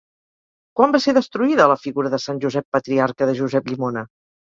Quan va ser destruïda la figura de Sant Josep Patriarca de Josep Llimona?